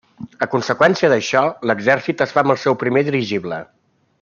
A conseqüència d'això, l'exèrcit es fa amb el seu primer dirigible.